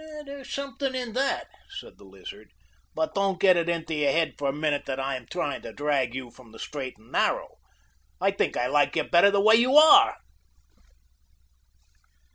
"There's something in that," said the Lizard; "but don't get it into your head for a minute that I am tryin' to drag you from the straight and narrow. I think I like you better the way you are."